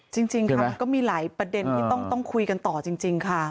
จริงจริงค่ะก็มีหลายประเด็นที่ต้องต้องคุยกันต่อจริงจริงค่ะ